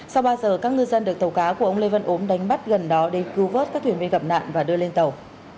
sau ba giờ các ngư dân được tàu cá của ông lê văn ốm đánh bắt gần đó để cứu vớt các thuyền viên gặp nạn và đưa lên tàu